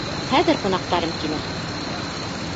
Хәҙер ҡунаҡтарым килә.